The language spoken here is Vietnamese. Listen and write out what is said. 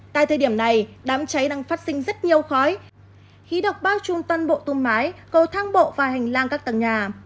tại thời điểm này đám cháy đang phát sinh rất nhiều khói khí độc bao trùm toàn bộ tung mái cầu thang bộ và hành lang các tầng nhà